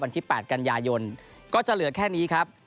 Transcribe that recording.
วันที่๘กันยายนก็จะเหลือแค่นี้ครับ